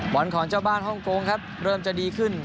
บวนของบ้านโฮงโกงครับเริ่มจะดีขึ้น